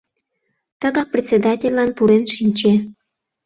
Тыгак председательлан пурен шинче...